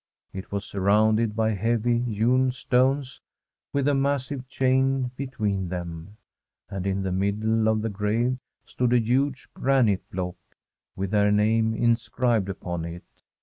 It was surrounded by heavy, hewn stones, with a massive chain between them, and in the middle of the grave stood a huge granite block, with their name inscribed upon it.